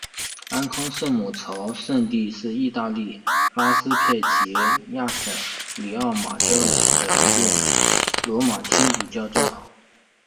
安康圣母朝圣地是意大利拉斯佩齐亚省里奥马焦雷的一座罗马天主教教堂。